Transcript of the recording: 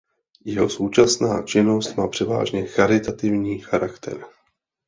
Jeho současná činnost má převážně charitativní charakter.